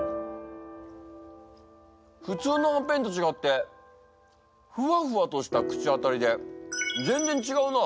普通のはんぺんと違ってふわふわとした口当たりで全然違うな。